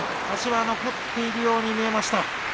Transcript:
足は残っているように見えました。